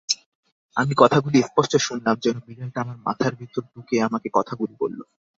আমি কথাগুলি স্পষ্ট শুনলাম-যেন বিড়ালটা আমার মাথার ভেতর ঢুকে আমাকে কথাগুলি বলল।